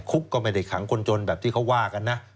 คุกก็ไม่ได้ขังคนจนแบบที่เขาว่ากันนะ